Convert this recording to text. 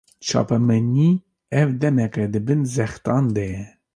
Çapemenî, ev demeke di bin zextan de ye